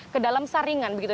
ke dalam saringan begitu